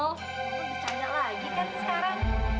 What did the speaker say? lu bisa nyak lagi kan sekarang